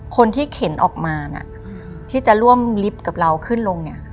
คนที่เข็นออกมานะที่จะร่วมลิฟต์กับเราขึ้นลงเนี่ย